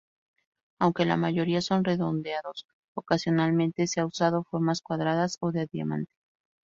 Aunque la mayoría son redondeados, ocasionalmente se han usado formas cuadradas o de diamante.